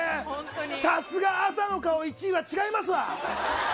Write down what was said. さすが朝の顔１位は違いますわ！